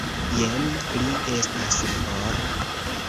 Jen, li estas for.